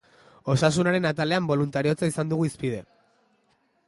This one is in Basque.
Osasunaren atalean boluntariotza izan dugu hizpide.